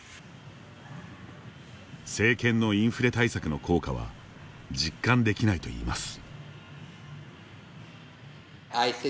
政権のインフレ対策の効果は実感できないといいます。